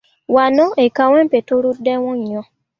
Wano e Kawempe tuluddewo nnyo.